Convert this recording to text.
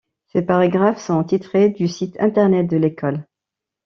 Ces paragraphes sont tirés du site Internet de l'école.